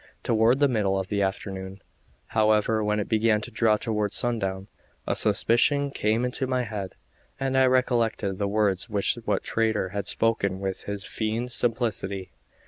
Toward the middle of the afternoon, however, when it began to draw toward sundown, a suspicion came into my head, and I recollected the words which that traitor had spoken with his feigned simplicity.